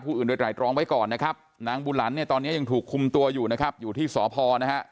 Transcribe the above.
แต่ปีกร้องไว้ก่อนนะครับนางบูรณเนี่ยตอนนี้ยังถูกคุมตัวอยู่นะครับอยู่ที่ศพนะ